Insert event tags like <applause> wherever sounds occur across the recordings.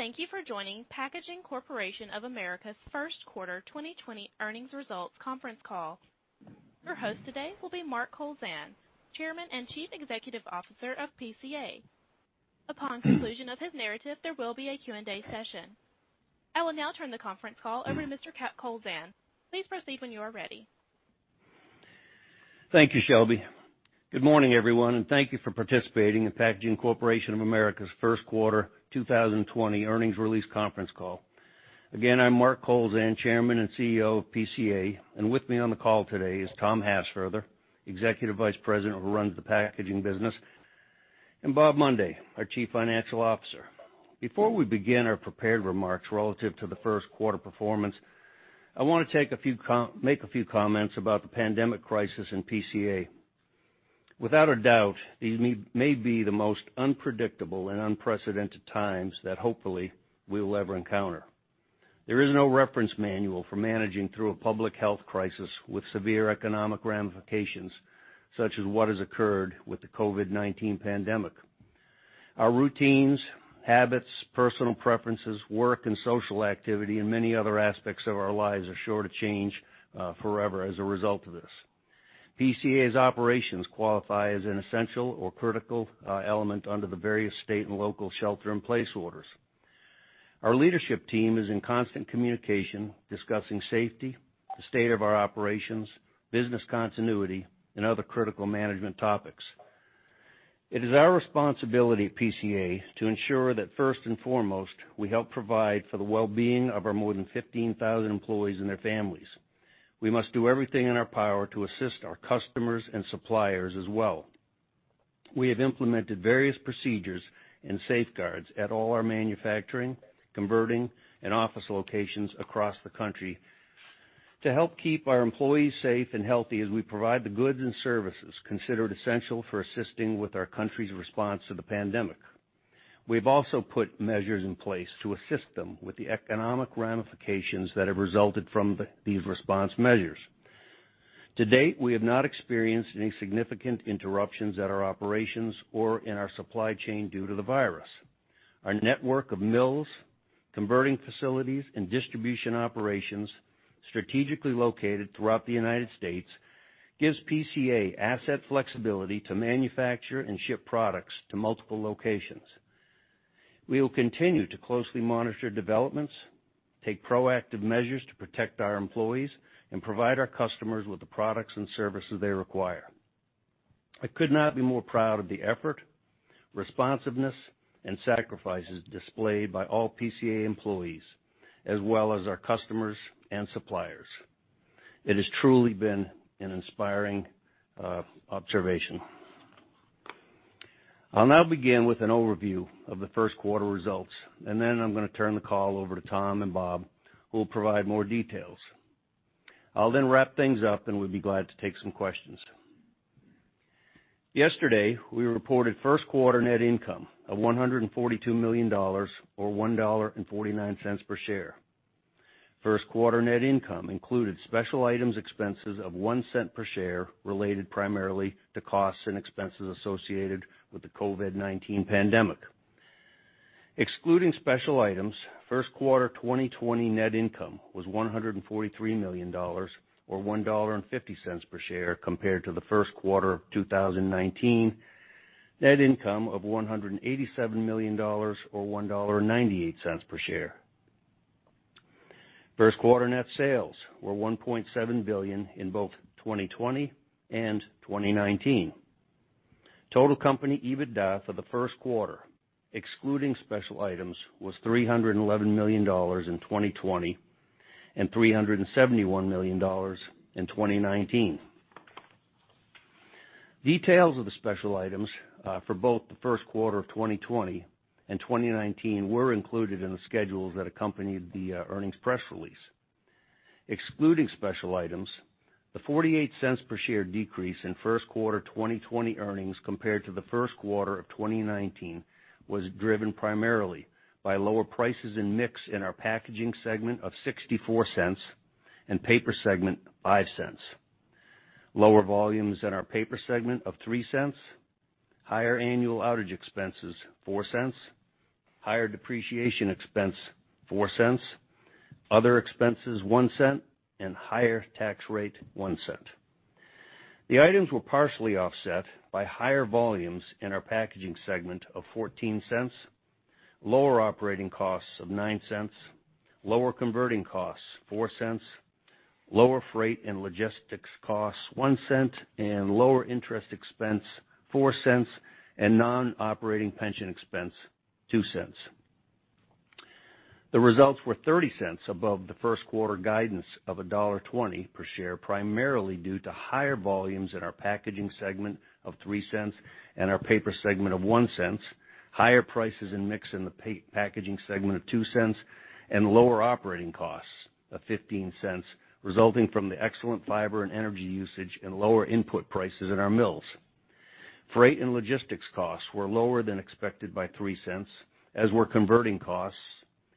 Thank you for joining Packaging Corporation of America's first quarter 2020 earnings results conference call. Your host today will be Mark Kowlzan, Chairman and Chief Executive Officer of PCA. Upon conclusion of his narrative, there will be a Q&A session. I will now turn the conference call over to Mr. Kowlzan. Please proceed when you are ready. Thank you, Shelby. Good morning, everyone, and thank you for participating in Packaging Corporation of America's first quarter 2020 earnings release conference call. Again, I'm Mark Kowlzan, Chairman and CEO of PCA, and with me on the call today is Tom Hassfurther, Executive Vice President who runs the packaging business, and Bob Mundy, our Chief Financial Officer. Before we begin our prepared remarks relative to the first quarter performance, I want to make a few comments about the pandemic crisis in PCA. Without a doubt, these may be the most unpredictable and unprecedented times that, hopefully, we will ever encounter. There is no reference manual for managing through a public health crisis with severe economic ramifications such as what has occurred with the COVID-19 pandemic. Our routines, habits, personal preferences, work and social activity, and many other aspects of our lives are sure to change forever as a result of this. PCA's operations qualify as an essential or critical element under the various state and local shelter-in-place orders. Our leadership team is in constant communication discussing safety, the state of our operations, business continuity, and other critical management topics. It is our responsibility at PCA to ensure that, first and foremost, we help provide for the well-being of our more than 15,000 employees and their families. We must do everything in our power to assist our customers and suppliers as well. We have implemented various procedures and safeguards at all our manufacturing, converting, and office locations across the country to help keep our employees safe and healthy as we provide the goods and services considered essential for assisting with our country's response to the pandemic. We have also put measures in place to assist them with the economic ramifications that have resulted from these response measures. To date, we have not experienced any significant interruptions at our operations or in our supply chain due to the virus. Our network of mills, converting facilities, and distribution operations strategically located throughout the United States gives PCA asset flexibility to manufacture and ship products to multiple locations. We will continue to closely monitor developments, take proactive measures to protect our employees, and provide our customers with the products and services they require. I could not be more proud of the effort, responsiveness, and sacrifices displayed by all PCA employees, as well as our customers and suppliers. It has truly been an inspiring observation. I'll now begin with an overview of the first quarter results, and then I'm going to turn the call over to Tom and Bob, who will provide more details. I'll then wrap things up, and we'll be glad to take some questions. Yesterday, we reported first quarter net income of $142 million, or $1.49 per share. First quarter net income included special items expenses of $0.01 per share related primarily to costs and expenses associated with the COVID-19 pandemic. Excluding special items, first quarter 2020 net income was $143 million, or $1.50 per share, compared to the first quarter of 2019 net income of $187 million, or $1.98 per share. First quarter net sales were $1.7 billion in both 2020 and 2019. Total company EBITDA for the first quarter, excluding special items, was $311 million in 2020 and $371 million in 2019. Details of the special items for both the first quarter of 2020 and 2019 were included in the schedules that accompanied the earnings press release. Excluding special items, the $0.48 per share decrease in first quarter 2020 earnings compared to the first quarter of 2019 was driven primarily by lower prices and mix in our Packaging Segment of $0.64 and Paper Segment of $0.05, lower volumes in our Paper Segment of $0.03, higher annual outage expenses of $0.04, higher depreciation expense of $0.04, other expenses of $0.01, and higher tax rate of $0.01. The items were partially offset by higher volumes in our Packaging Segment of $0.14, lower operating costs of $0.09, lower converting costs of $0.04, lower freight and logistics costs of $0.01, and lower interest expense of $0.04 and non-operating pension expense of $0.02. The results were $0.30 above the first quarter guidance of $1.20 per share, primarily due to higher volumes in our Packaging Segment of $0.03 and our Paper Segment of $0.01, higher prices and mix in the Packaging Segment of $0.02, and lower operating costs of $0.15, resulting from the excellent fiber and energy usage and lower input prices in our mills. Freight and logistics costs were lower than expected by $0.03, as were converting costs,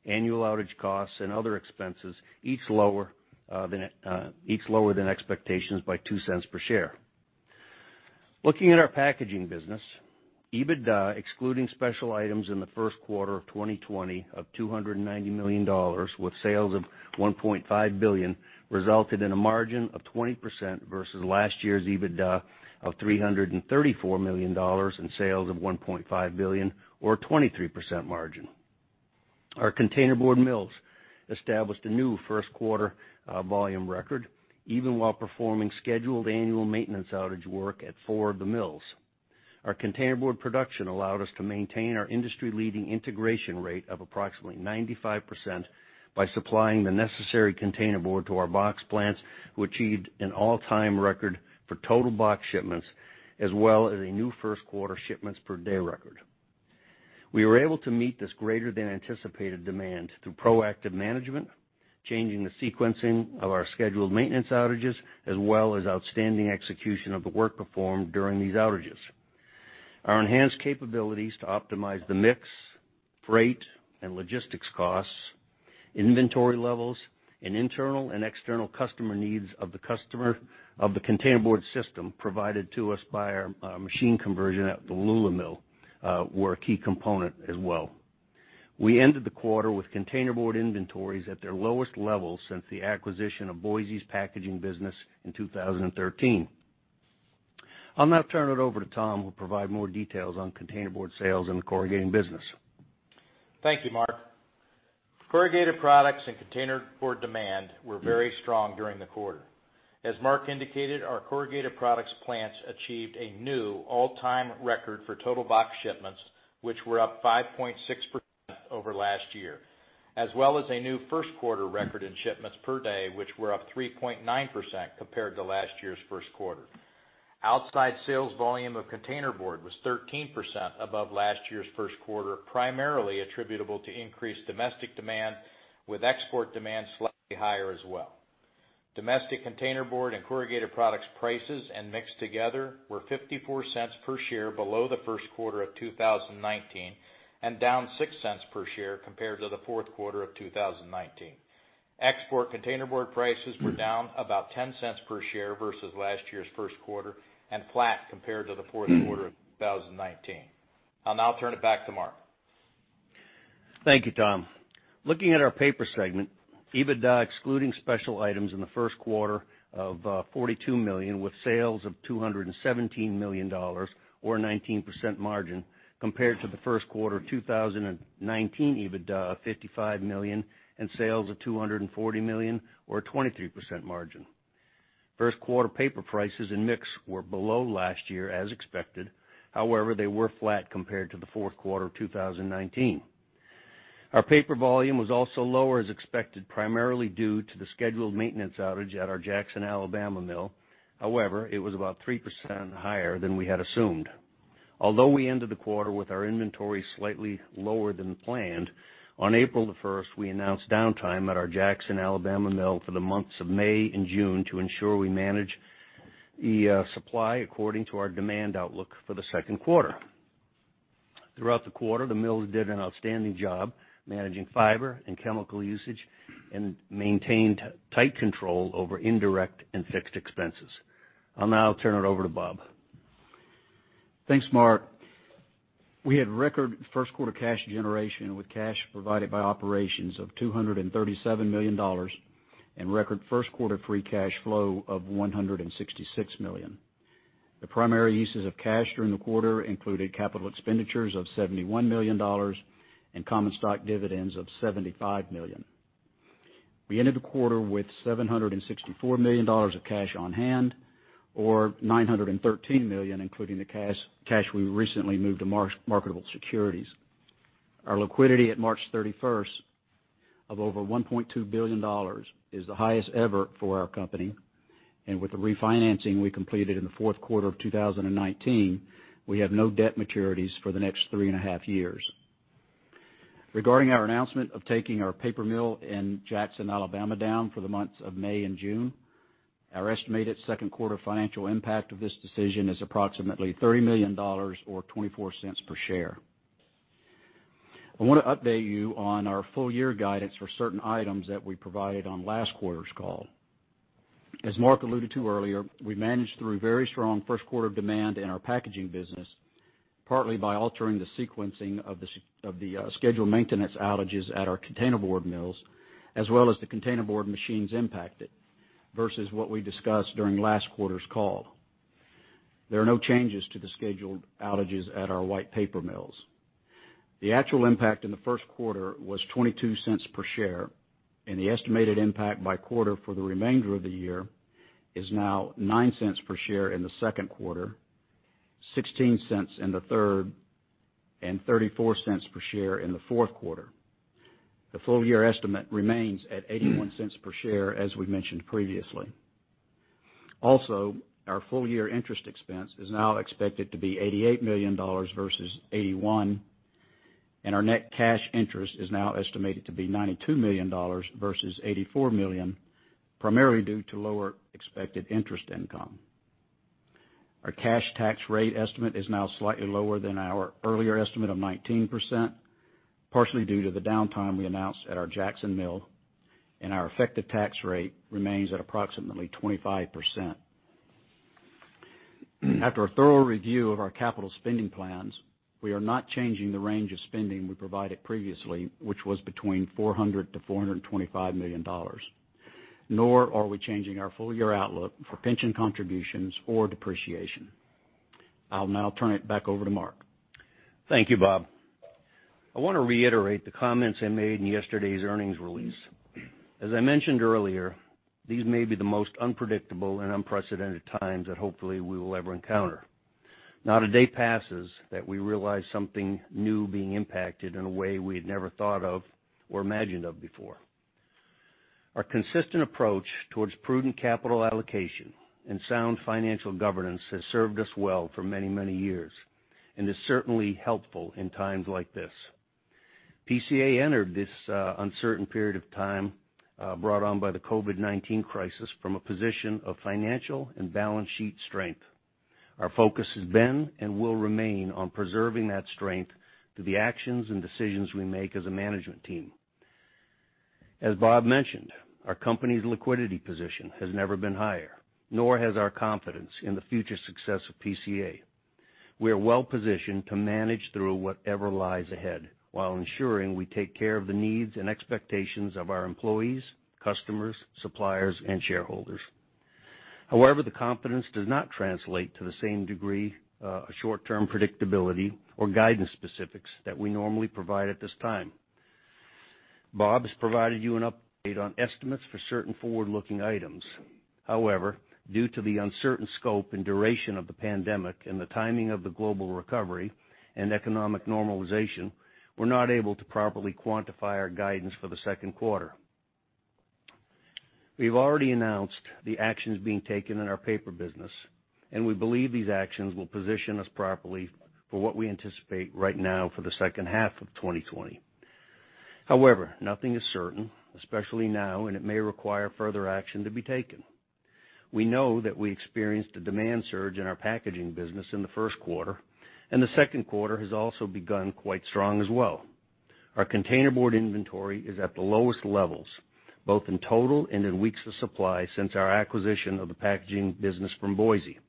annual outage costs, and other expenses, each lower than expectations by $0.02 per share. Looking at our packaging business, EBITDA, excluding special items in the first quarter of 2020, of $290 million, with sales of $1.5 billion, resulted in a margin of 20% versus last year's EBITDA of $334 million and sales of $1.5 billion, or a 23% margin. Our containerboard mills established a new first quarter volume record, even while performing scheduled annual maintenance outage work at four of the mills. Our containerboard production allowed us to maintain our industry-leading integration rate of approximately 95% by supplying the necessary containerboard to our box plants, which achieved an all-time record for total box shipments, as well as a new first quarter shipments per day record. We were able to meet this greater-than-anticipated demand through proactive management, changing the sequencing of our scheduled maintenance outages, as well as outstanding execution of the work performed during these outages. Our enhanced capabilities to optimize the mix, freight, and logistics costs, inventory levels, and internal and external customer needs of the containerboard system provided to us by our machine conversion at the Wallula mill were a key component as well. We ended the quarter with containerboard inventories at their lowest level since the acquisition of Boise's packaging business in 2013. I'll now turn it over to Tom, who will provide more details on containerboard sales and the corrugating business. Thank you, Mark. Corrugated products and containerboard demand were very strong during the quarter. As Mark indicated, our corrugated products plants achieved a new all-time record for total box shipments, which were up 5.6% over last year, as well as a new first quarter record in shipments per day, which were up 3.9% compared to last year's first quarter. Outside sales volume of containerboard was 13% above last year's first quarter, primarily attributable to increased domestic demand, with export demand slightly higher as well. Domestic containerboard and corrugated products prices and mix together were $0.54 per share below the first quarter of 2019 and down $0.06 per share compared to the fourth quarter of 2019. Export containerboard prices were down about $0.10 per share versus last year's first quarter and flat compared to the fourth quarter of 2019. I'll now turn it back to Mark. Thank you, Tom. Looking at our Paper Segment, EBITDA, excluding special items in the first quarter, of $42 million, with sales of $217 million, or a 19% margin, compared to the first quarter of 2019 EBITDA of $55 million and sales of $240 million, or a 23% margin. First quarter paper prices and mix were below last year as expected. However, they were flat compared to the fourth quarter of 2019. Our paper volume was also lower as expected, primarily due to the scheduled maintenance outage at our Jackson, Alabama mill. However, it was about 3% higher than we had assumed. Although we ended the quarter with our inventory slightly lower than planned, on April 1st, we announced downtime at our Jackson, Alabama mill for the months of May and June to ensure we manage the supply according to our demand outlook for the second quarter. Throughout the quarter, the mills did an outstanding job managing fiber and chemical usage and maintained tight control over indirect and fixed expenses. I'll now turn it over to Bob. Thanks, Mark. We had record first quarter cash generation with cash provided by operations of $237 million and record first quarter free cash flow of $166 million. The primary uses of cash during the quarter included capital expenditures of $71 million and common stock dividends of $75 million. We ended the quarter with $764 million of cash on hand, or $913 million, including the cash we recently moved to marketable securities. Our liquidity at March 31st of over $1.2 billion is the highest ever for our company, and with the refinancing we completed in the fourth quarter of 2019, we have no debt maturities for the next three and a half years. Regarding our announcement of taking our paper mill in Jackson, Alabama, down for the months of May and June, our estimated second quarter financial impact of this decision is approximately $30 million, or $0.24 per share. I want to update you on our full year guidance for certain items that we provided on last quarter's call. As Mark alluded to earlier, we managed through very strong first quarter demand in our packaging business, partly by altering the sequencing of the scheduled maintenance outages at our containerboard mills, as well as the containerboard machines impacted versus what we discussed during last quarter's call. There are no changes to the scheduled outages at our white paper mills. The actual impact in the first quarter was $0.22 per share, and the estimated impact by quarter for the remainder of the year is now $0.09 per share in the second quarter, $0.16 in the third, and $0.34 per share in the fourth quarter. The full year estimate remains at $0.81 per share, as we mentioned previously. Also, our full year interest expense is now expected to be $88 million versus $81, and our net cash interest is now estimated to be $92 million versus $84 million, primarily due to lower expected interest income. Our cash tax rate estimate is now slightly lower than our earlier estimate of 19%, partially due to the downtime we announced at our Jackson mill, and our effective tax rate remains at approximately 25%. After a thorough review of our capital spending plans, we are not changing the range of spending we provided previously, which was between $400-$425 million, nor are we changing our full year outlook for pension contributions or depreciation. I'll now turn it back over to Mark. Thank you, Bob. I want to reiterate the comments I made in yesterday's earnings release. As I mentioned earlier, these may be the most unpredictable and unprecedented times that hopefully we will ever encounter. Not a day passes that we realize something new being impacted in a way we had never thought of or imagined of before. Our consistent approach towards prudent capital allocation and sound financial governance has served us well for many, many years, and is certainly helpful in times like this. PCA entered this uncertain period of time brought on by the COVID-19 crisis from a position of financial and balance sheet strength. Our focus has been and will remain on preserving that strength through the actions and decisions we make as a management team. As Bob mentioned, our company's liquidity position has never been higher, nor has our confidence in the future success of PCA. We are well positioned to manage through whatever lies ahead while ensuring we take care of the needs and expectations of our employees, customers, suppliers, and shareholders. However, the confidence does not translate to the same degree of short-term predictability or guidance specifics that we normally provide at this time. Bob has provided you an update on estimates for certain forward-looking items. However, due to the uncertain scope and duration of the pandemic and the timing of the global recovery and economic normalization, we're not able to properly quantify our guidance for the second quarter. We have already announced the actions being taken in our paper business, and we believe these actions will position us properly for what we anticipate right now for the second half of 2020. However, nothing is certain, especially now, and it may require further action to be taken. We know that we experienced a demand surge in our packaging business in the first quarter, and the second quarter has also begun quite strong as well. Our containerboard inventory is at the lowest levels, both in total and in weeks of supply since our acquisition of the packaging business from Boise.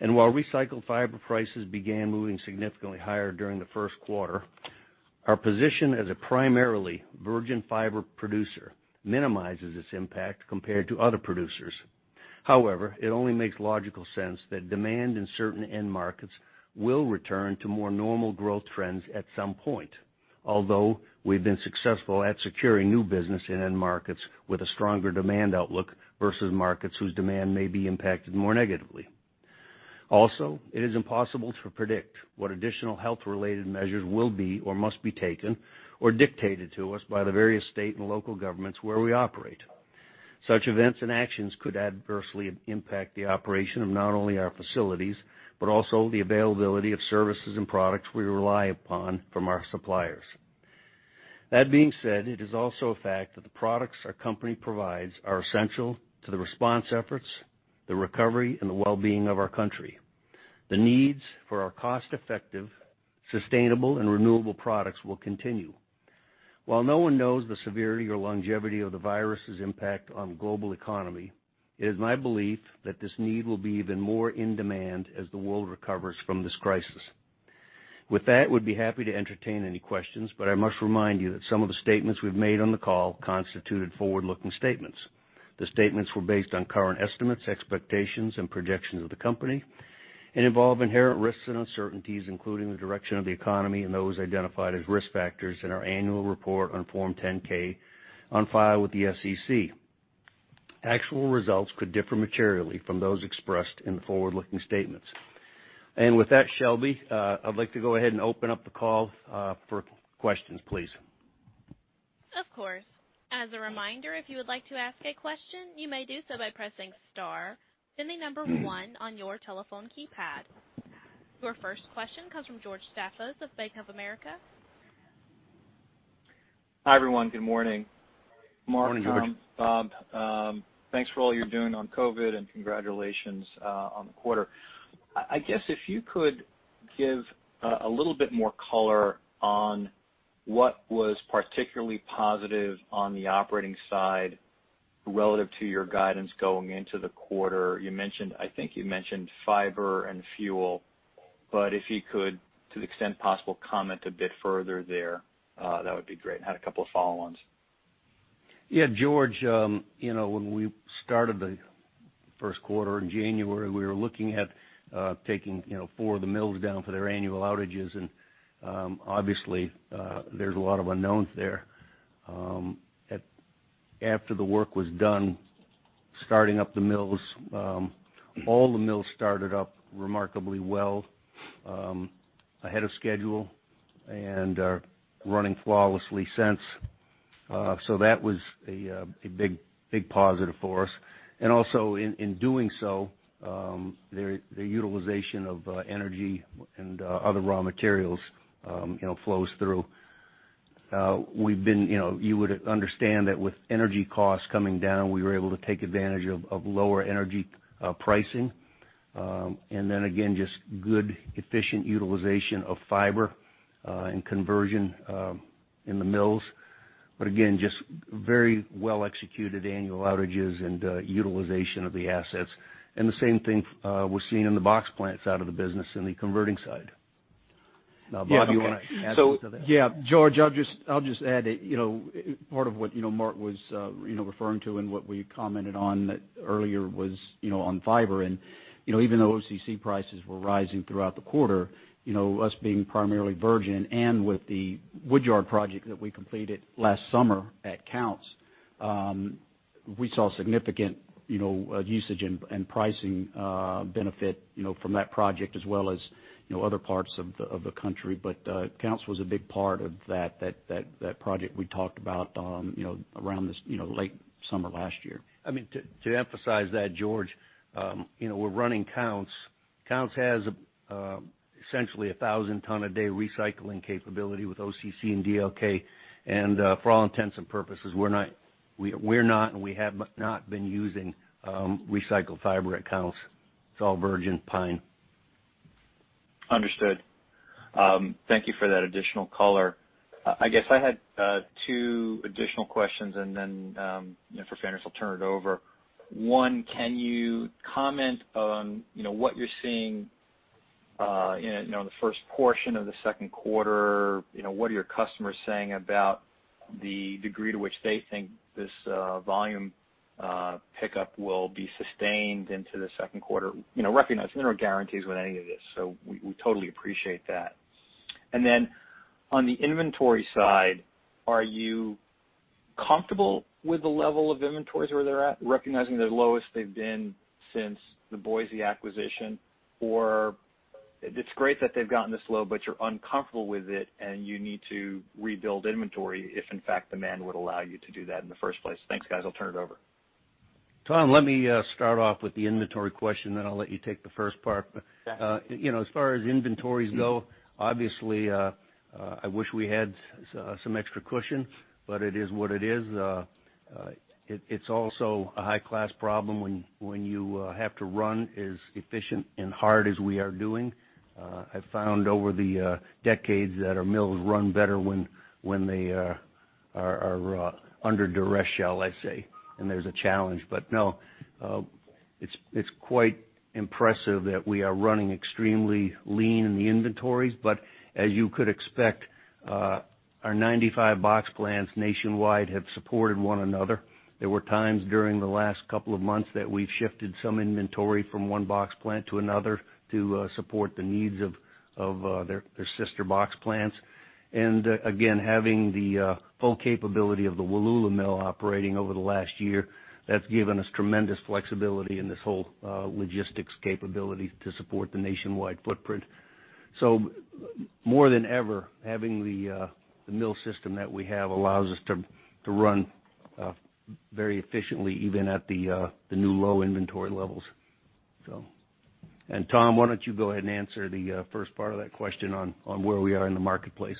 And while recycled fiber prices began moving significantly higher during the first quarter, our position as a primarily virgin fiber producer minimizes its impact compared to other producers. However, it only makes logical sense that demand in certain end markets will return to more normal growth trends at some point, although we've been successful at securing new business in end markets with a stronger demand outlook versus markets whose demand may be impacted more negatively. Also, it is impossible to predict what additional health-related measures will be or must be taken or dictated to us by the various state and local governments where we operate. Such events and actions could adversely impact the operation of not only our facilities but also the availability of services and products we rely upon from our suppliers. That being said, it is also a fact that the products our company provides are essential to the response efforts, the recovery, and the well-being of our country. The needs for our cost-effective, sustainable, and renewable products will continue. While no one knows the severity or longevity of the virus's impact on the global economy, it is my belief that this need will be even more in demand as the world recovers from this crisis. With that, we'd be happy to entertain any questions, but I must remind you that some of the statements we've made on the call constituted forward-looking statements. The statements were based on current estimates, expectations, and projections of the company, and involve inherent risks and uncertainties, including the direction of the economy and those identified as risk factors in our annual report on Form 10-K on file with the SEC. Actual results could differ materially from those expressed in the forward-looking statements. And with that, Shelby, I'd like to go ahead and open up the call for questions, please. Of course. As a reminder, if you would like to ask a question, you may do so by pressing star and the number one on your telephone keypad. Your first question comes from George Staphos of Bank of America. Hi, everyone. Good morning. Morning, George. Bob, thanks for all you're doing on COVID, and congratulations on the quarter. I guess if you could give a little bit more color on what was particularly positive on the operating side relative to your guidance going into the quarter. You mentioned, I think you mentioned fiber and fuel, but if you could, to the extent possible, comment a bit further there, that would be great. I had a couple of follow-ons. Yeah, George, when we started the first quarter in January, we were looking at taking four of the mills down for their annual outages, and obviously, there's a lot of unknowns there. After the work was done, starting up the mills, all the mills started up remarkably well, ahead of schedule, and running flawlessly since. So that was a big positive for us. And also, in doing so, the utilization of energy and other raw materials flows through. You would understand that with energy costs coming down, we were able to take advantage of lower energy pricing, and then again, just good efficient utilization of fiber and conversion in the mills. But again, just very well-executed annual outages and utilization of the assets. And the same thing was seen in the box plants out of the business in the converting side. Now, Bob, do you want to add something to that? Yeah, George, I'll just add that part of what Mark was referring to and what we commented on earlier was on fiber. And even though OCC prices were rising throughout the quarter, us being primarily virgin and with the woodyard project that we completed last summer at Counce, we saw significant usage and pricing benefit from that project as well as other parts of the country. But Counce was a big part of that project we talked about around this late summer last year. I mean, to emphasize that, George, we're running Counce. Counce has essentially a 1,000-ton-a-day recycling capability with OCC and DLK. And for all intents and purposes, we're not, and we have not been using recycled fiber at Counce. It's all virgin pine. Understood. Thank you for that additional color. I guess I had two additional questions, and then for fairness, I'll turn it over. One, can you comment on what you're seeing in the first portion of the second quarter? What are your customers saying about the degree to which they think this volume pickup will be sustained into the second quarter? Recognizing there are guarantees with any of this, so we totally appreciate that. And then on the inventory side, are you comfortable with the level of inventories where they're at, recognizing they're lowest they've been since the Boise acquisition? Or it's great that they've gotten this low, but you're uncomfortable with it, and you need to rebuild inventory if, in fact, demand would allow you to do that in the first place? Thanks, guys. I'll turn it over. Tom, let me start off with the inventory question, then I'll let you take the first part. As far as inventories go, obviously, I wish we had some extra cushion, but it is what it is. It's also a high-class problem when you have to run as efficient and hard as we are doing. I've found over the decades that our mills run better when they are under duress, shall I say, and there's a challenge. But no, it's quite impressive that we are running extremely lean in the inventories. But as you could expect, our 95 box plants nationwide have supported one another. There were times during the last couple of months that we've shifted some inventory from one box plant to another to support the needs of their sister box plants. And again, having the full capability of the Wallula mill operating over the last year, that's given us tremendous flexibility in this whole logistics capability to support the nationwide footprint. So more than ever, having the mill system that we have allows us to run very efficiently, even at the new low inventory levels. And Tom, why don't you go ahead and answer the first part of that question on where we are in the marketplace?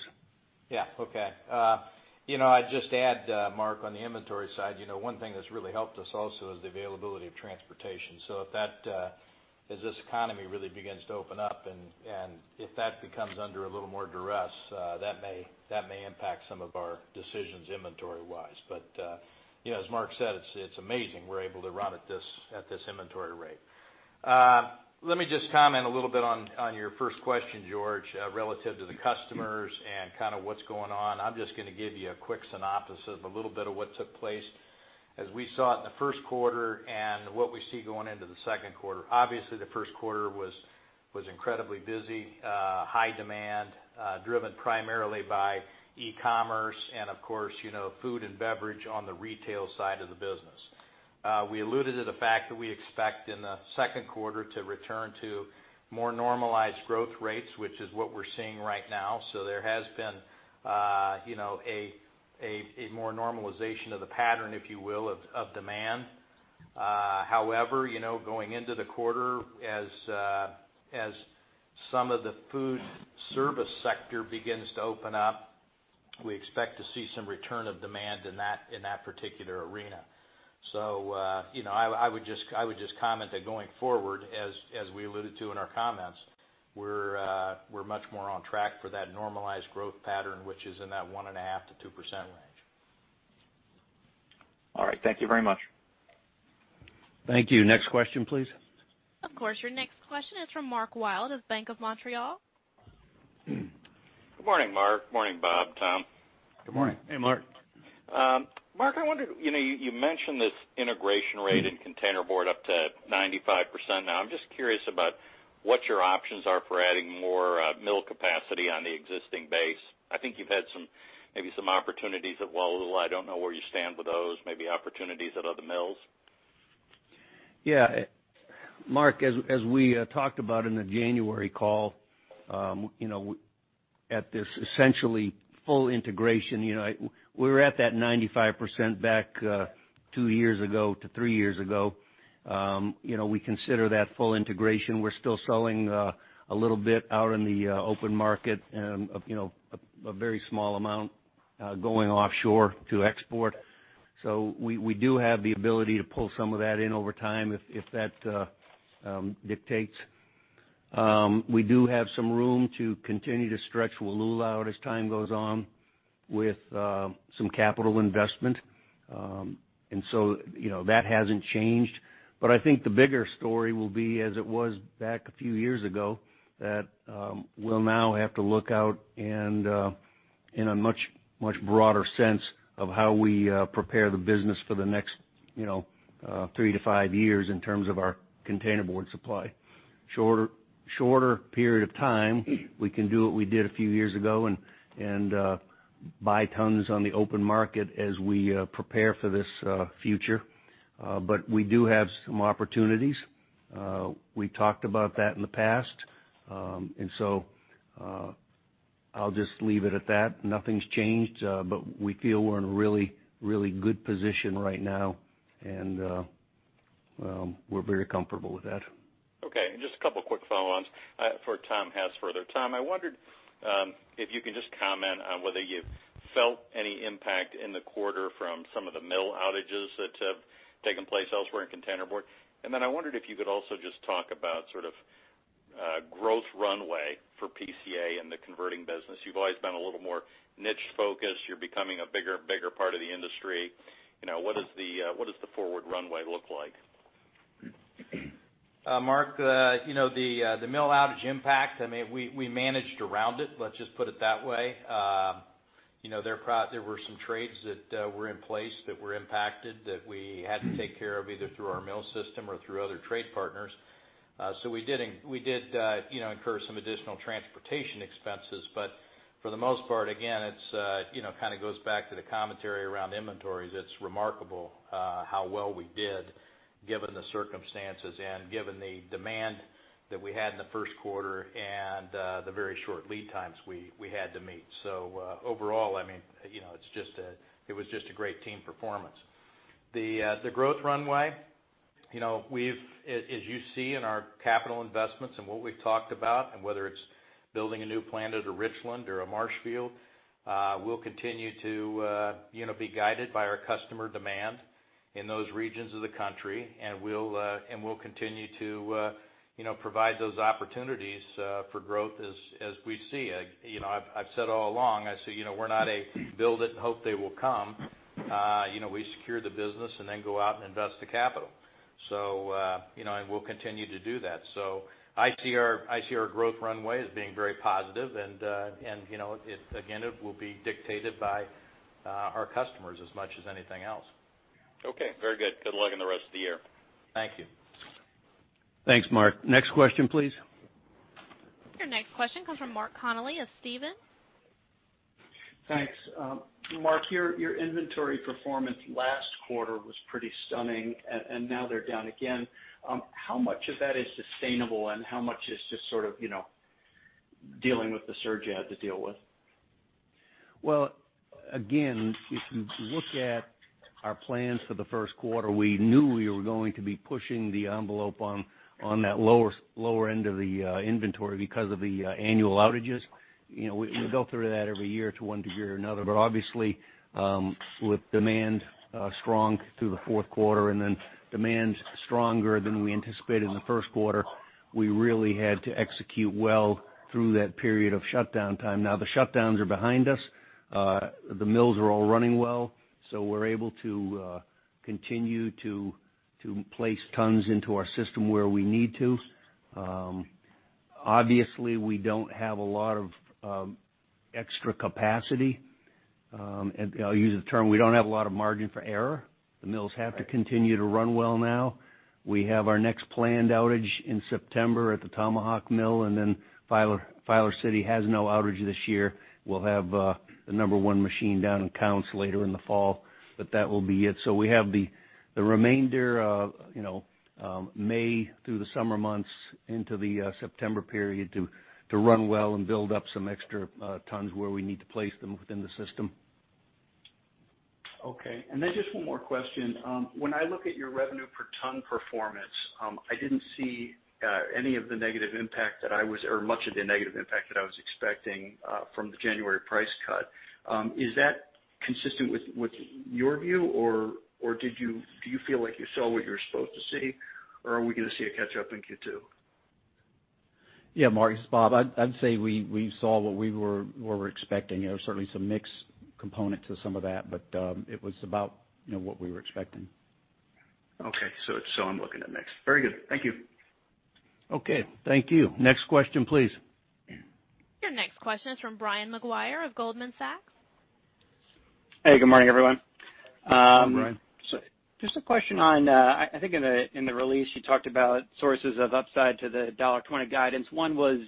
Yeah, okay. I'd just add, Mark, on the inventory side, one thing that's really helped us also is the availability of transportation. So if this economy really begins to open up, and if that becomes under a little more duress, that may impact some of our decisions inventory-wise. But as Mark said, it's amazing we're able to run at this inventory rate. Let me just comment a little bit on your first question, George, relative to the customers and kind of what's going on. I'm just going to give you a quick synopsis of a little bit of what took place as we saw it in the first quarter and what we see going into the second quarter. Obviously, the first quarter was incredibly busy, high demand, driven primarily by e-commerce and, of course, food and beverage on the retail side of the business. We alluded to the fact that we expect in the second quarter to return to more normalized growth rates, which is what we're seeing right now. So there has been a more normalization of the pattern, if you will, of demand. However, going into the quarter, as some of the foodservice sector begins to open up, we expect to see some return of demand in that particular arena. So I would just comment that going forward, as we alluded to in our comments, we're much more on track for that normalized growth pattern, which is in that 1.5%-2% range. All right. Thank you very much. Thank you. Next question, please. Of course. Your next question is from Mark Wilde of Bank of Montreal. Good morning, Mark. Morning, Bob, Tom. Good morning. Hey, Mark. Mark, I wondered, you mentioned this integration rate in containerboard up to 95%. Now, I'm just curious about what your options are for adding more mill capacity on the existing base. I think you've had maybe some opportunities at Wallula. I don't know where you stand with those, maybe opportunities at other mills. Yeah. Mark, as we talked about in the January call, at this essentially full integration, we were at that 95% back two years ago to three years ago. We consider that full integration. We're still selling a little bit out in the open market, a very small amount going offshore to export. So we do have the ability to pull some of that in over time if that dictates. We do have some room to continue to stretch Wallula out as time goes on with some capital investment. And so that hasn't changed. But I think the bigger story will be as it was back a few years ago that we'll now have to look out in a much broader sense of how we prepare the business for the next three to five years in terms of our containerboard supply. Shorter period of time, we can do what we did a few years ago and buy tons on the open market as we prepare for this future, but we do have some opportunities. We talked about that in the past, and so I'll just leave it at that. Nothing's changed, but we feel we're in a really, really good position right now, and we're very comfortable with that. Okay. And just a couple of quick follow-ons for Tom Hassfurther. Tom, I wondered if you can just comment on whether you've felt any impact in the quarter from some of the mill outages that have taken place elsewhere in containerboard. And then I wondered if you could also just talk about sort of growth runway for PCA and the converting business. You've always been a little more niche-focused. You're becoming a bigger and bigger part of the industry. What does the forward runway look like? Mark, the mill outage impact, I mean, we managed around it, let's just put it that way. There were some trades that were in place that were impacted that we had to take care of either through our mill system or through other trade partners. So we did incur some additional transportation expenses. But for the most part, again, it kind of goes back to the commentary around inventories. It's remarkable how well we did given the circumstances and given the demand that we had in the first quarter and the very short lead times we had to meet. So overall, I mean, it was just a great team performance. The growth runway, as you see in our capital investments and what we've talked about, and whether it's building a new plant at a Richland or a Marshfield, we'll continue to be guided by our customer demand in those regions of the country, and we'll continue to provide those opportunities for growth as we see. I've said all along, I say we're not a build it and hope they will come. We secure the business and then go out and invest the capital. And we'll continue to do that. So I see our growth runway as being very positive. And again, it will be dictated by our customers as much as anything else. Okay. Very good. Good luck in the rest of the year. Thank you. Thanks, Mark. Next question, please. Your next question comes from Mark Connelly of Stephens. Thanks. Mark, your inventory performance last quarter was pretty stunning, and now they're down again. How much of that is sustainable, and how much is just sort of dealing with the surge you had to deal with? Again, if you look at our plans for the first quarter, we knew we were going to be pushing the envelope on that lower end of the inventory because of the annual outages. We go through that every year to one degree or another. But obviously, with demand strong through the fourth quarter and then demand stronger than we anticipated in the first quarter, we really had to execute well through that period of shutdown time. Now, the shutdowns are behind us. The mills are all running well. So we're able to continue to place tons into our system where we need to. Obviously, we don't have a lot of extra capacity. I'll use the term, we don't have a lot of margin for error. The mills have to continue to run well now. We have our next planned outage in September at the Tomahawk mill, and then Filer City has no outage this year. We'll have the number one machine down in Counce later in the fall, but that will be it. So we have the remainder of May through the summer months into the September period to run well and build up some extra tons where we need to place them within the system. Okay. And then just one more question. When I look at your revenue per ton performance, I didn't see any of the negative impact that I was or much of the negative impact that I was expecting from the January price cut. Is that consistent with your view, or do you feel like you saw what you were supposed to see, or are we going to see a catch-up in Q2? Yeah, Mark, it's Bob, I'd say we saw what we were expecting. There was certainly some mix component to some of that, but it was about what we were expecting. Okay, so I'm looking at mix. Very good. Thank you. Okay. Thank you. Next question, please. Your next question is from Brian Maguire of Goldman Sachs. Hey, good morning, everyone. Hi, Brian. Just a question on, I think in the release, you talked about sources of upside to the $1.20 guidance. One was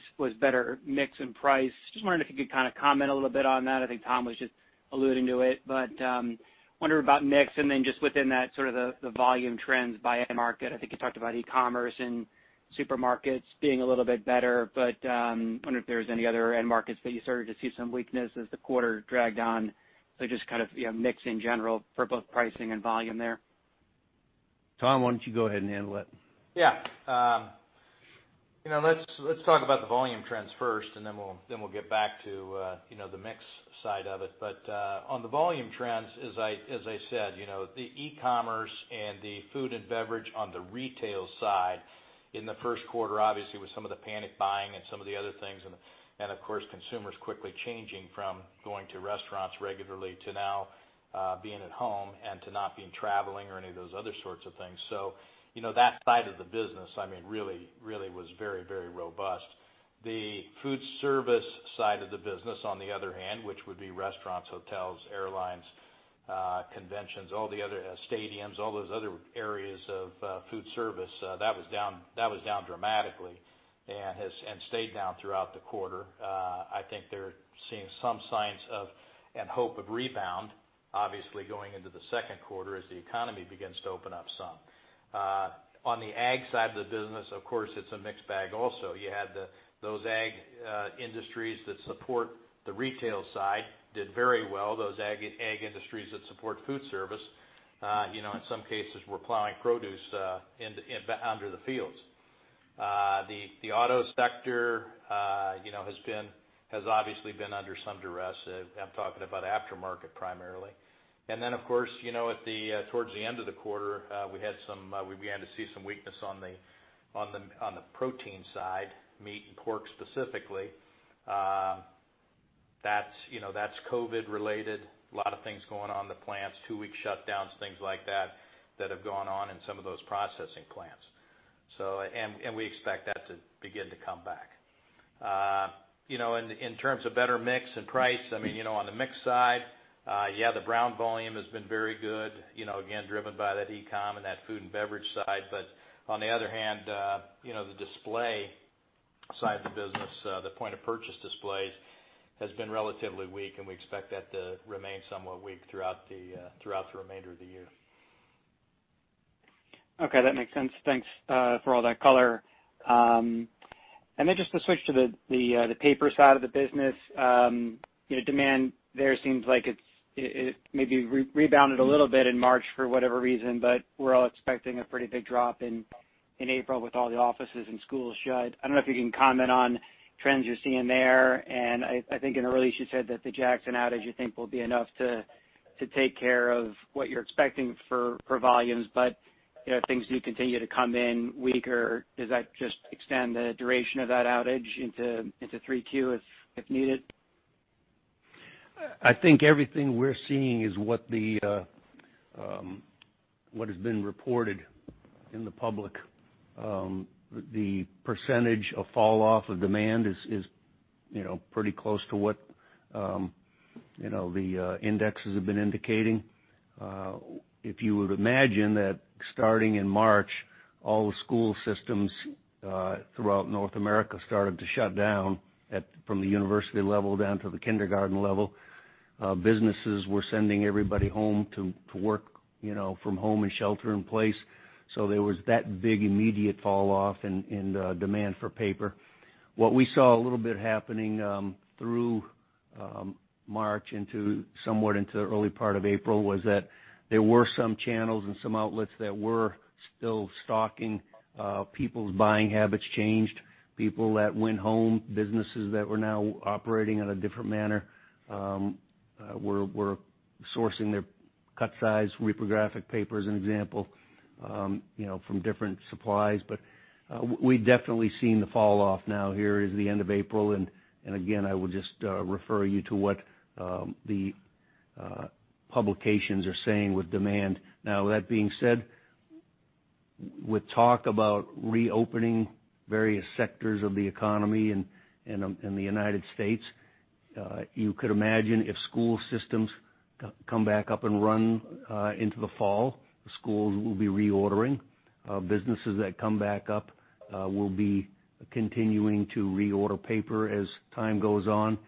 better mix and price. Just wondering if you could kind of comment a little bit on that. I think Tom was just alluding to it. But I wonder about mix and then just within that sort of the volume trends by end market. I think you talked about e-commerce and supermarkets being a little bit better, but I wonder if there's any other end markets that you started to see some weakness as the quarter dragged on. So just kind of mix in general for both pricing and volume there. Tom, why don't you go ahead and handle it? Yeah. Let's talk about the volume trends first, and then we'll get back to the mix side of it. But on the volume trends, as I said, the e-commerce and the food and beverage on the retail side in the first quarter, obviously, with some of the panic buying and some of the other things, and of course, consumers quickly changing from going to restaurants regularly to now being at home and to not being traveling or any of those other sorts of things. So that side of the business, I mean, really was very, very robust. The food service side of the business, on the other hand, which would be restaurants, hotels, airlines, conventions, all the other stadiums, all those other areas of food service, that was down dramatically and stayed down throughout the quarter. I think they're seeing some signs and hope of rebound, obviously, going into the second quarter as the economy begins to open up some. On the ag side of the business, of course, it's a mixed bag also. You had those ag industries that support the retail side did very well. Those ag industries that support food service, in some cases, were plowing produce under the fields. The auto sector has obviously been under some duress. I'm talking about aftermarket primarily, and then, of course, towards the end of the quarter, we began to see some weakness on the protein side, meat and pork specifically. That's COVID-related, a lot of things going on, the plants, two-week shutdowns, things like that that have gone on in some of those processing plants, and we expect that to begin to come back. In terms of better mix and price, I mean, on the mix side, yeah, the brown volume has been very good, again, driven by that e-comm and that food and beverage side. But on the other hand, the display side of the business, the point of purchase displays, has been relatively weak, and we expect that to remain somewhat weak throughout the remainder of the year. Okay. That makes sense. Thanks for all that color. And then just to switch to the paper side of the business, demand there seems like it maybe rebounded a little bit in March for whatever reason, but we're all expecting a pretty big drop in April with all the offices and schools shut. I don't know if you can comment on trends you're seeing there. And I think in the release, you said that the Jackson outage you think will be enough to take care of what you're expecting for volumes. But if things do continue to come in weaker, does that just extend the duration of that outage into 3Q if needed? I think everything we're seeing is what has been reported in the public. The percentage of falloff of demand is pretty close to what the indexes have been indicating. If you would imagine that starting in March, all the school systems throughout North America started to shut down from the university level down to the kindergarten level. Businesses were sending everybody home to work from home and shelter in place. So there was that big immediate falloff in demand for paper. What we saw a little bit happening through March into somewhat into the early part of April was that there were some channels and some outlets that were still stocking. People's buying habits changed. People that went home, businesses that were now operating in a different manner, were sourcing their cut-size reprographic papers, an example, from different suppliers. But we've definitely seen the falloff now. Here is the end of April. And again, I would just refer you to what the publications are saying with demand. Now, that being said, with talk about reopening various sectors of the economy in the United States, you could imagine if school systems come back up and run into the fall, the schools will be reordering. Businesses that come back up will be continuing to reorder paper as time goes on.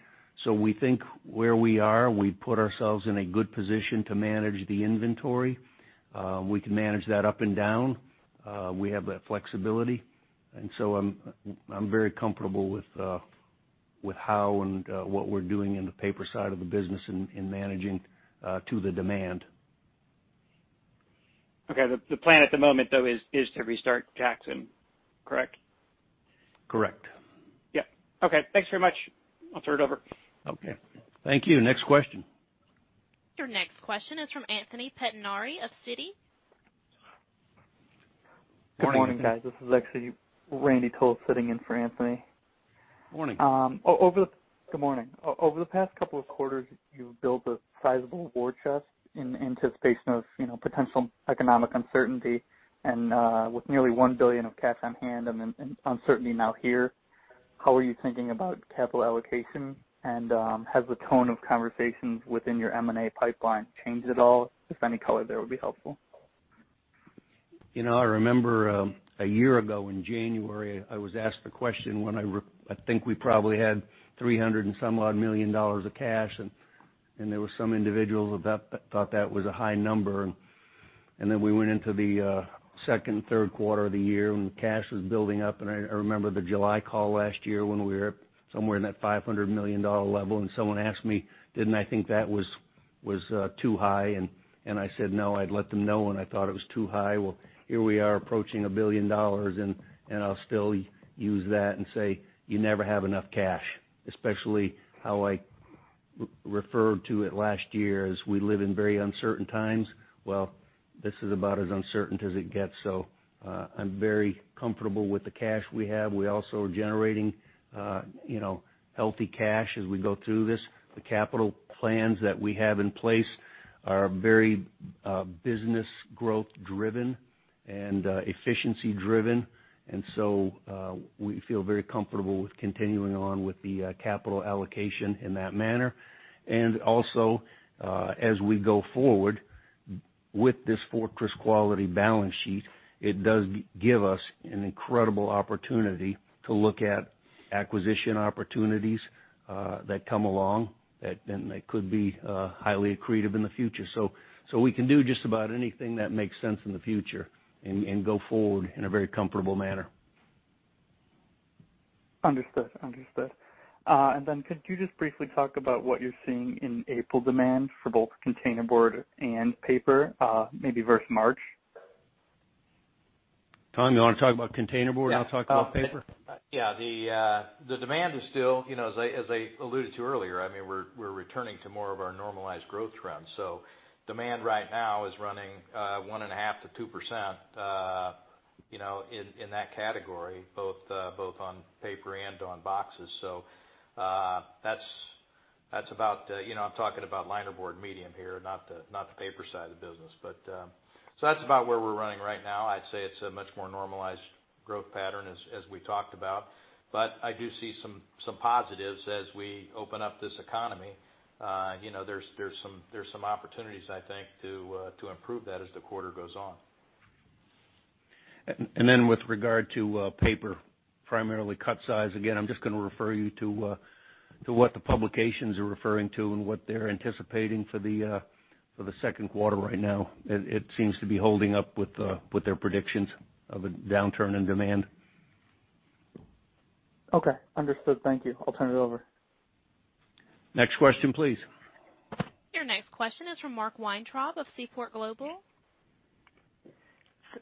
So we think where we are, we put ourselves in a good position to manage the inventory. We can manage that up and down. We have that flexibility. And so I'm very comfortable with how and what we're doing in the paper side of the business in managing to the demand. Okay. The plan at the moment, though, is to restart Jackson, correct? Correct. Yep. Okay. Thanks very much. I'll turn it over. Okay. Thank you. Next question. Your next question is from Anthony Pettinari of Citi. Good morning, guys. This is Alexi Villedrouin sitting in for Anthony. Morning. Good morning. Over the past couple of quarters, you've built a sizable war chest in anticipation of potential economic uncertainty. And with nearly $1 billion of cash on hand and uncertainty now here, how are you thinking about capital allocation? And has the tone of conversations within your M&A pipeline changed at all? If any color, that would be helpful. I remember a year ago in January, I was asked the question when I think we probably had $300 and some odd million dollars of cash. And there were some individuals that thought that was a high number. And then we went into the second and third quarter of the year, and cash was building up. And I remember the July call last year when we were somewhere in that $500 million level. And someone asked me, didn't I think that was too high? And I said, no, I'd let them know when I thought it was too high. Well, here we are approaching $1 billion, and I'll still use that and say, you never have enough cash, especially how I referred to it last year as we live in very uncertain times. Well, this is about as uncertain as it gets. I'm very comfortable with the cash we have. We also are generating healthy cash as we go through this. The capital plans that we have in place are very business growth-driven and efficiency-driven. We feel very comfortable with continuing on with the capital allocation in that manner. As we go forward with this fortress quality balance sheet, it does give us an incredible opportunity to look at acquisition opportunities that come along that could be highly accretive in the future. We can do just about anything that makes sense in the future and go forward in a very comfortable manner. Understood. Understood. And then could you just briefly talk about what you're seeing in April demand for both containerboard and paper, maybe versus March? Tom, you want to talk about containerboard? I'll talk about paper. Yeah. The demand is still, as I alluded to earlier, I mean, we're returning to more of our normalized growth trends, so demand right now is running 1.5%-2% in that category, both on paper and on boxes, so that's about. I'm talking about linerboard medium here, not the paper side of the business, so that's about where we're running right now. I'd say it's a much more normalized growth pattern as we talked about, but I do see some positives as we open up this economy. There's some opportunities, I think, to improve that as the quarter goes on. And then with regard to paper, primarily cut-size, again, I'm just going to refer you to what the publications are referring to and what they're anticipating for the second quarter right now. It seems to be holding up with their predictions of a downturn in demand. Okay. Understood. Thank you. I'll turn it over. Next question, please. Your next question is from Mark Weintraub of Seaport Global.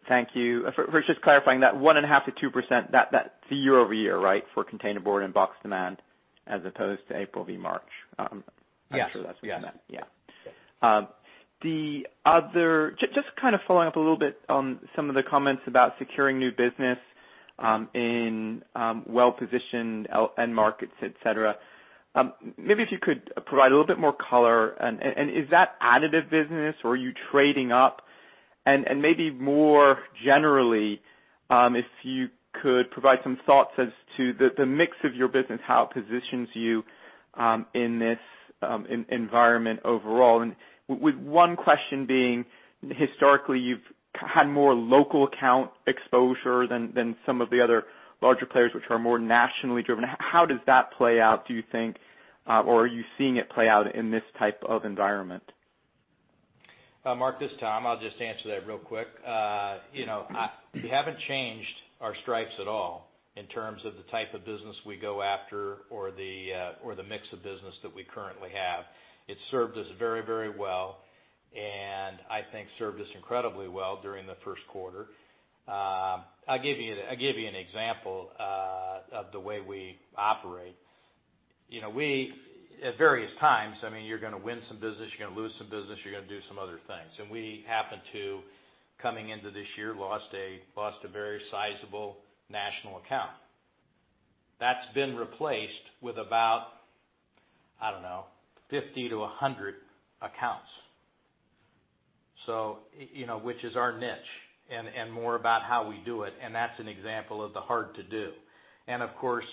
Thank you. For just clarifying that, 1.5%-2%, that's year-over-year, right, for containerboard and box demand as opposed to April vs. March. I'm sure that's what you meant. Yeah. The other, just kind of following up a little bit on some of the comments about securing new business in well-positioned end markets, etc., maybe if you could provide a little bit more color. And is that additive business, or are you trading up? And maybe more generally, if you could provide some thoughts as to the mix of your business, how it positions you in this environment overall. And with one question being, historically, you've had more local account exposure than some of the other larger players, which are more nationally driven. How does that play out, do you think, or are you seeing it play out in this type of environment? Mark, this time, I'll just answer that real quick. We haven't changed our stripes at all in terms of the type of business we go after or the mix of business that we currently have. It's served us very, very well, and I think served us incredibly well during the first quarter. I'll give you an example of the way we operate. At various times, I mean, you're going to win some business. You're going to lose some business. You're going to do some other things, and we happened to, coming into this year, lost a very sizable national account. That's been replaced with about, I don't know, 50-100 accounts, which is our niche and more about how we do it, and that's an example of the hard to do. And of course,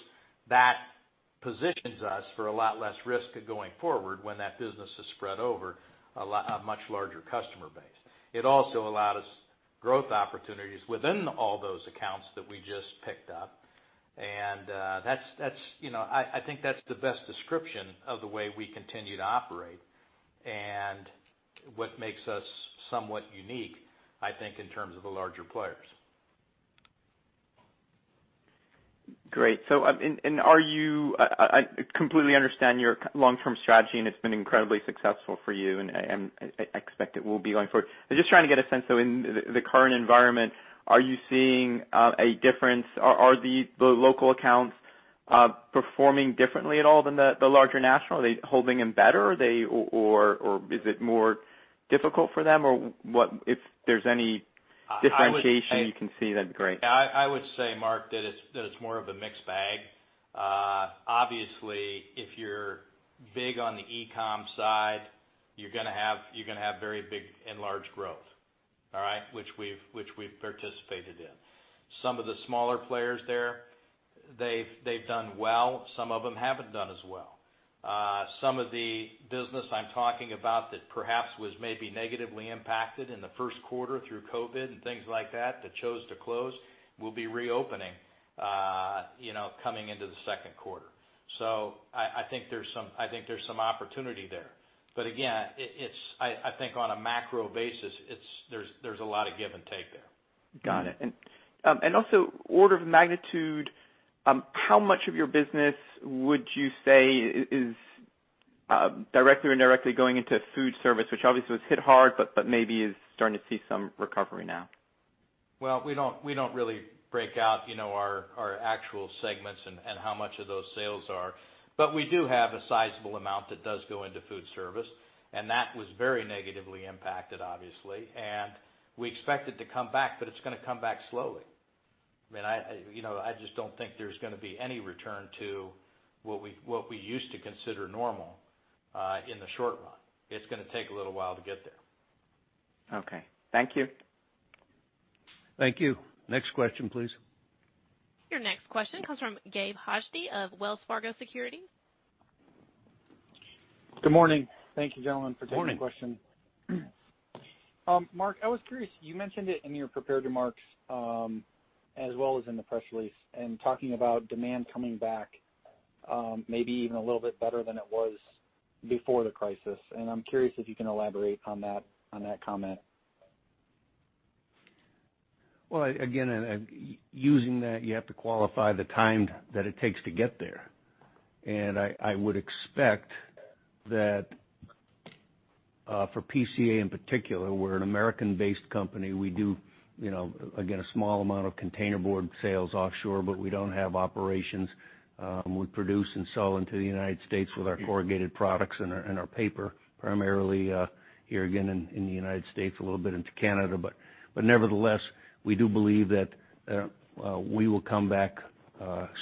that positions us for a lot less risk going forward when that business is spread over a much larger customer base. It also allowed us growth opportunities within all those accounts that we just picked up. And I think that's the best description of the way we continue to operate and what makes us somewhat unique, I think, in terms of the larger players. Great. And I completely understand your long-term strategy, and it's been incredibly successful for you, and I expect it will be going forward. I'm just trying to get a sense, though, in the current environment, are you seeing a difference? Are the local accounts performing differently at all than the larger national? Are they holding them better, or is it more difficult for them? Or if there's any differentiation you can see, that'd be great. Yeah. I would say, Mark, that it's more of a mixed bag. Obviously, if you're big on the e-comm side, you're going to have very big and large growth, all right, which we've participated in. Some of the smaller players there, they've done well. Some of them haven't done as well. Some of the business I'm talking about that perhaps was maybe negatively impacted in the first quarter through COVID and things like that that chose to close will be reopening coming into the second quarter. So I think there's some opportunity there. But again, I think on a macro basis, there's a lot of give and take there. Got it. And also, order of magnitude, how much of your business would you say is directly or indirectly going into food service, which obviously was hit hard, but maybe is starting to see some recovery now? We don't really break out our actual segments and how much of those sales are, but we do have a sizable amount that does go into food service. That was very negatively impacted, obviously. We expect it to come back, but it's going to come back slowly. I mean, I just don't think there's going to be any return to what we used to consider normal in the short run. It's going to take a little while to get there. Okay. Thank you. Thank you. Next question, please. Your next question comes from Gabe Hajde of Wells Fargo Securities. Good morning. Thank you, gentlemen, for taking the question. Good morning. Mark, I was curious. You mentioned it in your prepared remarks as well as in the press release, and talking about demand coming back maybe even a little bit better than it was before the crisis, and I'm curious if you can elaborate on that comment. Again, using that, you have to qualify the time that it takes to get there. I would expect that for PCA in particular, we're an American-based company. We do, again, a small amount of containerboard sales offshore, but we don't have operations. We produce and sell into the United States with our corrugated products and our paper, primarily here again in the United States, a little bit into Canada. Nevertheless, we do believe that we will come back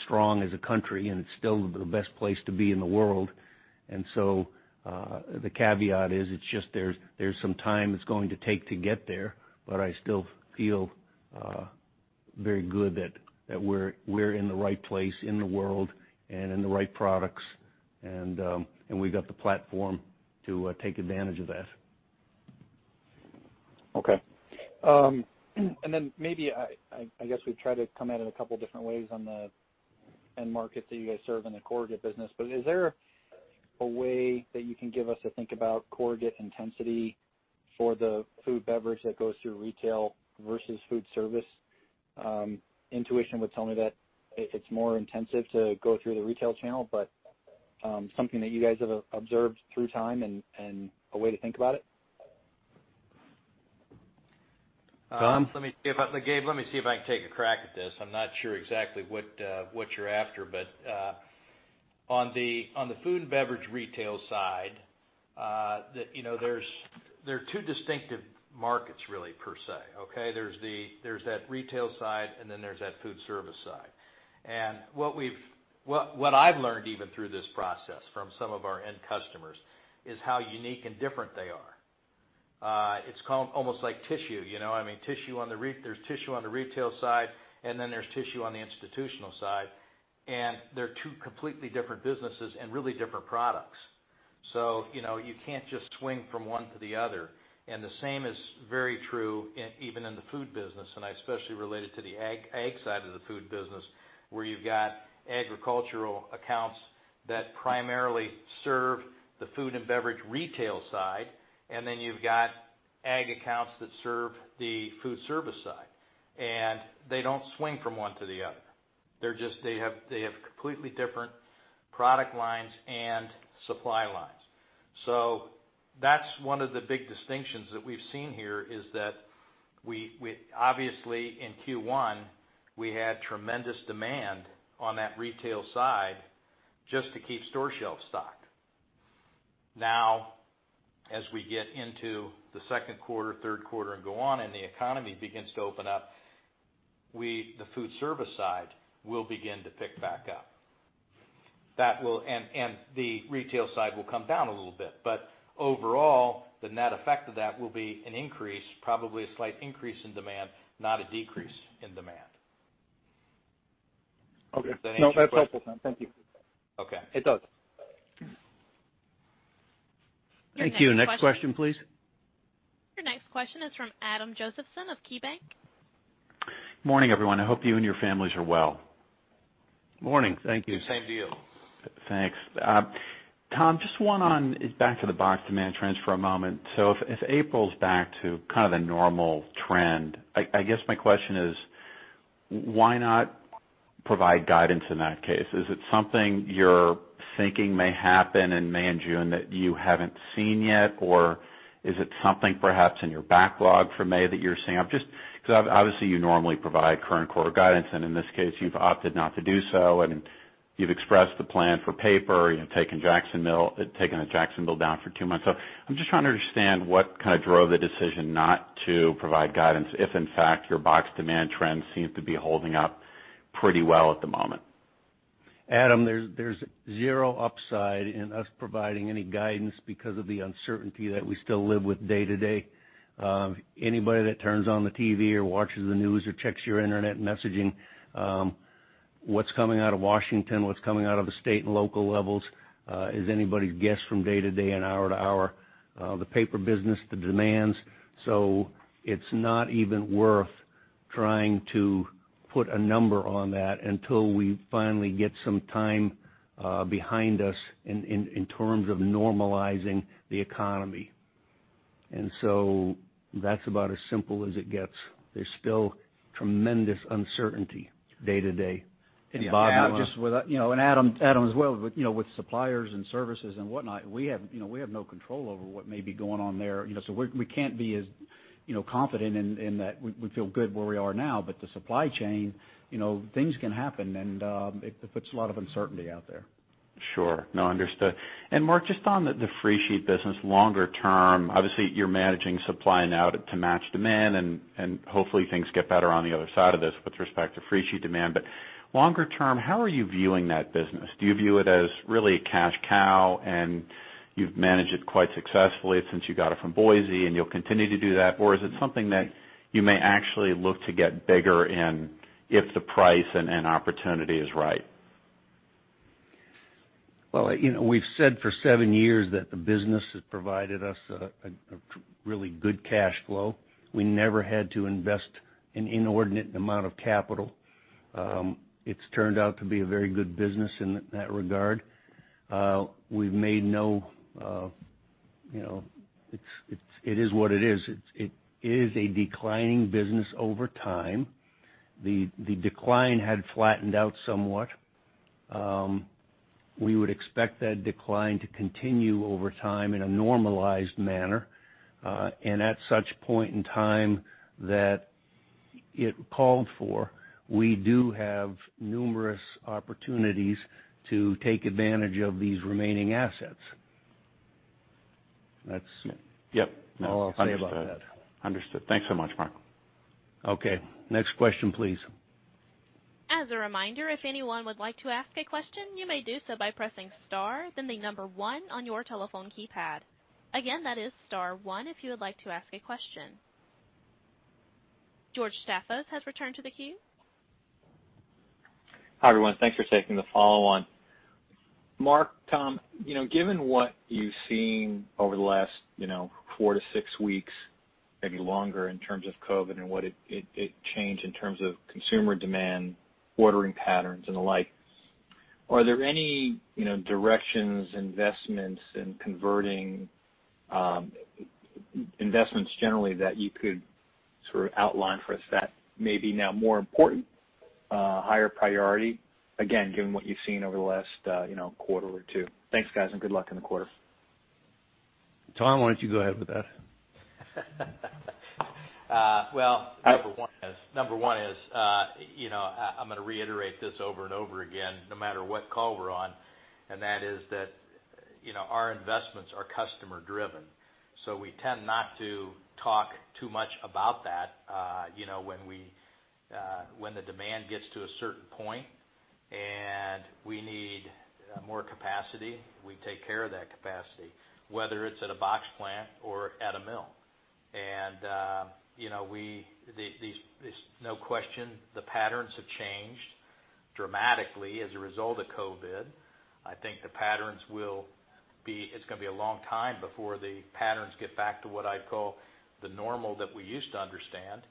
strong as a country, and it's still the best place to be in the world. The caveat is it's just there's some time it's going to take to get there. I still feel very good that we're in the right place in the world and in the right products, and we've got the platform to take advantage of that. Okay, and then maybe, I guess we've tried to come at it a couple of different ways on the end market that you guys serve in the corrugated business. But is there a way that you can give us a think about corrugated intensity for the food and beverage that goes through retail versus food service? Intuition would tell me that it's more intensive to go through the retail channel, but something that you guys have observed through time and a way to think about it? Tom? Let me see if I can take a crack at this. I'm not sure exactly what you're after. But on the food and beverage retail side, there are two distinctive markets, really, per se. Okay? There's that retail side, and then there's that food service side. And what I've learned even through this process from some of our end customers is how unique and different they are. It's almost like tissue. I mean, there's tissue on the retail side, and then there's tissue on the institutional side. And they're two completely different businesses and really different products. So you can't just swing from one to the other. And the same is very true even in the food business. And I especially relate it to the ag side of the food business, where you've got agricultural accounts that primarily serve the food and beverage retail side, and then you've got ag accounts that serve the food service side. And they don't swing from one to the other. They have completely different product lines and supply lines. So that's one of the big distinctions that we've seen here is that, obviously, in Q1, we had tremendous demand on that retail side just to keep store shelves stocked. Now, as we get into the second quarter, third quarter, and go on, and the economy begins to open up, the food service side will begin to pick back up. And the retail side will come down a little bit. But overall, the net effect of that will be an increase, probably a slight increase in demand, not a decrease in demand. Okay. No, that's helpful, Tom. Thank you. Okay. It does. Thank you. Next question, please. Your next question is from Adam Josephson of KeyBanc. Good morning, everyone. I hope you and your families are well. Morning. Thank you. Same deal. Thanks. Tom, just one on back to the box demand trends for a moment. So if April's back to kind of the normal trend, I guess my question is, why not provide guidance in that case? Is it something you're thinking may happen in May and June that you haven't seen yet, or is it something perhaps in your backlog for May that you're seeing? Because obviously, you normally provide current quarter guidance, and in this case, you've opted not to do so. And you've expressed the plan for paper, taking Jackson down for two months. So I'm just trying to understand what kind of drove the decision not to provide guidance if, in fact, your box demand trend seems to be holding up pretty well at the moment. Adam, there's zero upside in us providing any guidance because of the uncertainty that we still live with day to day. Anybody that turns on the TV or watches the news or checks your internet messaging, what's coming out of Washington, what's coming out of the state and local levels, is anybody's guess from day to day, an hour to hour, the paper business, the demands? So it's not even worth trying to put a number on that until we finally get some time behind us in terms of normalizing the economy. And so that's about as simple as it gets. There's still tremendous uncertainty day to day. Yeah, and Adam as well, with suppliers and services and whatnot, we have no control over what may be going on there. So we can't be as confident in that we feel good where we are now. But the supply chain, things can happen, and it puts a lot of uncertainty out there. Sure. No, understood. And Mark, just on the freesheet business, longer term, obviously, you're managing supply now to match demand, and hopefully, things get better on the other side of this with respect to freesheet demand. But longer term, how are you viewing that business? Do you view it as really a cash cow and you've managed it quite successfully since you got it from Boise, and you'll continue to do that? Or is it something that you may actually look to get bigger in if the price and opportunity is right? Well, we've said for seven years that the business has provided us a really good cash flow. We never had to invest an inordinate amount of capital. It's turned out to be a very good business in that regard. It is what it is. It is a declining business over time. The decline had flattened out somewhat. We would expect that decline to continue over time in a normalized manner. And at such point in time that it called for, we do have numerous opportunities to take advantage of these remaining assets. Yep. <crosstalk> I'll say about that. Understood. Thanks so much, Mark. Okay. Next question, please. As a reminder, if anyone would like to ask a question, you may do so by pressing star, then the number one on your telephone keypad. Again, that is star one if you would like to ask a question. George Staphos has returned to the queue. Hi, everyone. Thanks for taking the follow-on. Mark, Tom, given what you've seen over the last four to six weeks, maybe longer in terms of COVID and what it changed in terms of consumer demand, ordering patterns, and the like, are there any directions, investments, and converting investments generally that you could sort of outline for us that may be now more important, higher priority, again, given what you've seen over the last quarter or two? Thanks, guys, and good luck in the quarter. Tom, why don't you go ahead with that? Number one is, I'm going to reiterate this over and over again, no matter what call we're on. And that is that our investments are customer-driven. So we tend not to talk too much about that when the demand gets to a certain point. And we need more capacity. We take care of that capacity, whether it's at a box plant or at a mill. And there's no question the patterns have changed dramatically as a result of COVID. I think the patterns will be. It's going to be a long time before the patterns get back to what I'd call the normal that we used to understand.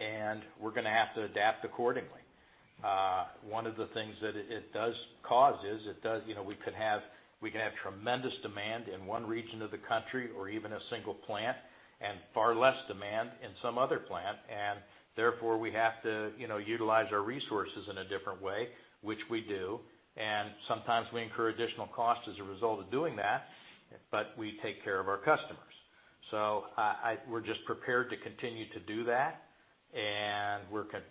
And we're going to have to adapt accordingly. One of the things that it does cause is we can have tremendous demand in one region of the country or even a single plant and far less demand in some other plant, and therefore, we have to utilize our resources in a different way, which we do, and sometimes we incur additional costs as a result of doing that, but we take care of our customers, so we're just prepared to continue to do that, and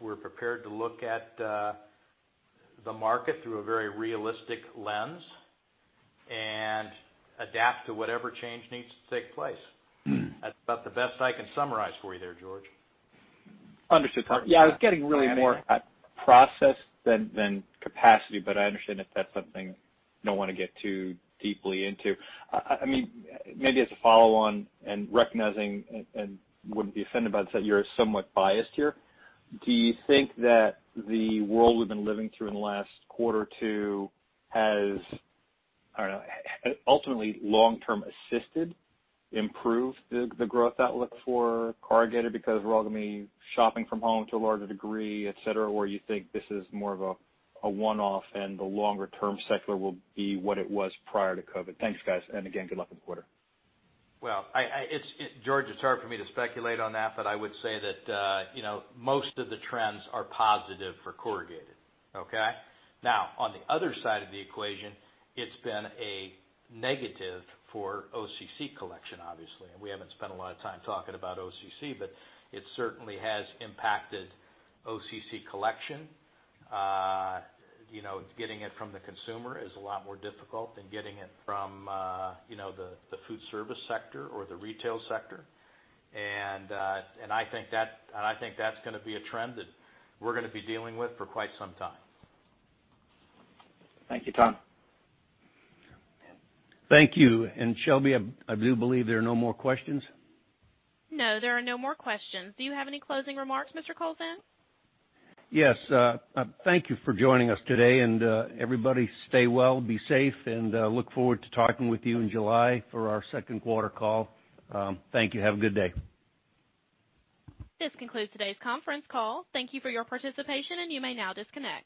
we're prepared to look at the market through a very realistic lens and adapt to whatever change needs to take place. That's about the best I can summarize for you there, George. Understood. Yeah. I was getting really more at process than capacity, but I understand that that's something I don't want to get too deeply into. I mean, maybe as a follow-on and recognizing, and wouldn't be offended by this, that you're somewhat biased here. Do you think that the world we've been living through in the last quarter or two has, I don't know, ultimately long-term assisted, improved the growth outlook for corrugated because we're all going to be shopping from home to a larger degree, etc., or you think this is more of a one-off and the longer-term sector will be what it was prior to COVID? Thanks, guys. And again, good luck in the quarter. George, it's hard for me to speculate on that, but I would say that most of the trends are positive for corrugated. Okay? Now, on the other side of the equation, it's been a negative for OCC collection, obviously, and we haven't spent a lot of time talking about OCC, but it certainly has impacted OCC collection. Getting it from the consumer is a lot more difficult than getting it from the food service sector or the retail sector, and I think that's going to be a trend that we're going to be dealing with for quite some time. Thank you, Tom. Thank you. And Shelby, I do believe there are no more questions. No, there are no more questions. Do you have any closing remarks, Mr. Kowlzan? Yes. Thank you for joining us today, and everybody, stay well, be safe, and look forward to talking with you in July for our second quarter call. Thank you. Have a good day. This concludes today's conference call. Thank you for your participation, and you may now disconnect.